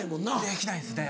できないですね。